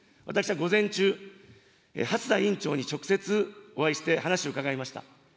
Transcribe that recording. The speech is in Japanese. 私は午前中、蓮田委員長に直接お会いして話を伺いました。